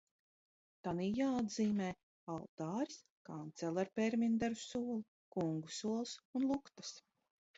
Tanī jāatzīmē: altāris, kancele ar pērminderu solu, kungu sols un luktas.